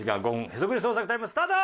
へそくり捜索タイムスタート！